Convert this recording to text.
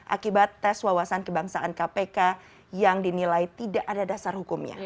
akibat tes wawasan kebangsaan kpk yang dinilai tidak ada dasar hukumnya